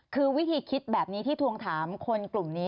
คือวิธีคิดแบบนี้ที่ทวงถามคนกลุ่มนี้